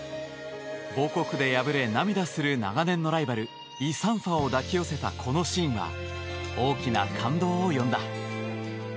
母国で敗れ涙する長年のライバルイ・サンファを抱き寄せたこのシーンは大きな感動を呼んだ。